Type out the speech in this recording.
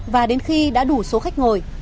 và đến khi đã đủ số khách ngồi